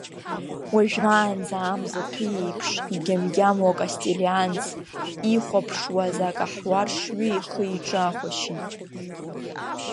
Уажәраанӡа амза-ҭәы еиԥш игьамгьамуа Кастелианц ихәаԥшуаз акаҳуаршҩы ихы-иҿы аахәашьит.